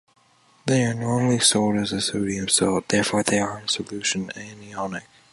They are normally sold as the Sodium salt, therefore they are in solution anionic.